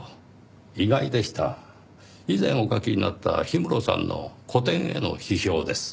以前お書きになった氷室さんの個展への批評です。